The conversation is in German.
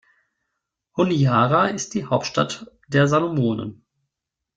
Honiara ist die Hauptstadt der Salomonen.